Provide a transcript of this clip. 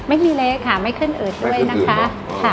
ไม่มีเล็กค่ะไม่ขึ้นเอิดด้วยนะคะไม่ขึ้นอื่นเหรออ๋อค่ะ